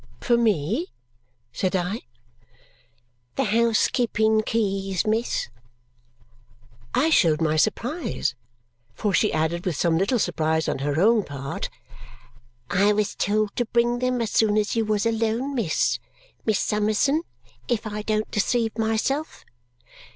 "For me?" said I. "The housekeeping keys, miss." I showed my surprise, for she added with some little surprise on her own part, "I was told to bring them as soon as you was alone, miss. Miss Summerson, if I don't deceive myself?"